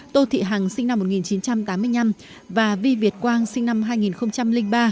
tô thị hằng sinh năm một nghìn chín trăm tám mươi năm và vi việt quang sinh năm hai nghìn ba